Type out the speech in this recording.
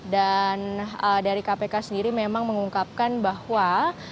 dan dari kpk sendiri memang mengungkapkan bahwa